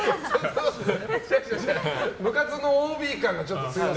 部活のＯＢ感がちょっと強すぎる。